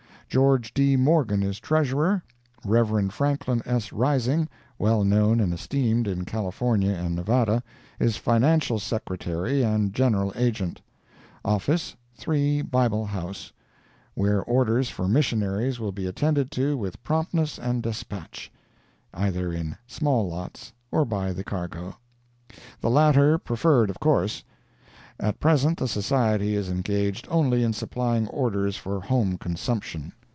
Geo. D. Morgan is Treasurer. Rev. Franklin S. Rising, well known and esteemed in California and Nevada, is Financial Secretary and General Agent—office, 3 Bible House, where orders for missionaries will be attended to with promptness and despatch, either in small lots or by the cargo. The latter preferred, of course. At present the Society is engaged only in supplying orders for home consumption.